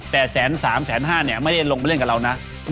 แต่แสนสามแสนห้าเนี่ยไม่ได้ลงไปเล่นกับเรานะ